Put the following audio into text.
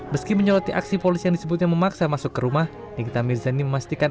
meski menyoroti aksi polisi yang disebutnya memaksa masuk ke rumah nikita mirzani memastikan